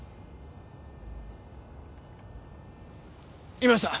いました！